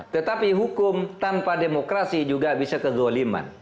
dan hukum tanpa demokrasi juga bisa kegoliman